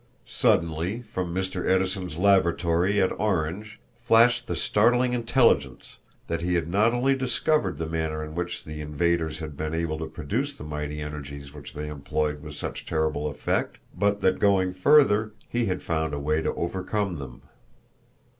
Suddenly from Mr. Edison's laboratory at Orange flashed the startling intelligence that he had not only discovered the manner in which the invaders had been able to produce the mighty energies which they employed with such terrible effect, but that, going further, he had found a way to overcome them.